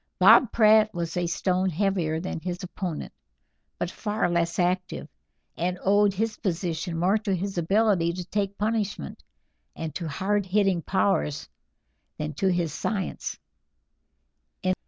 Bob Pratt was a stone heavier than his opponent, but far less active, and owed his position more to his ability to take punishment, and to hard hitting powers, than to his science.